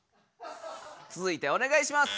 つづいてお願いします！